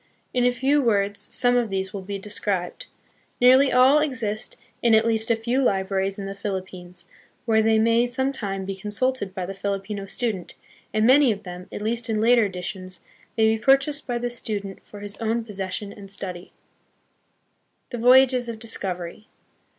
In a few words some of these will be described. Nearly all exist in at least a few libraries in the Philippines, where they may sometime be consulted by the Filipino student, and many of them, at least in later editions, may be purchased by the student for his own possession and study. 16 , THE PHILIPPINES. The Voyages of Discovery.